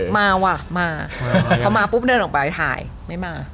มาว่ะมาพอมาปุ๊บเดินออกไปถ่ายไม่มา